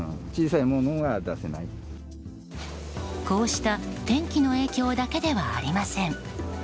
こうした天気の影響だけではありません。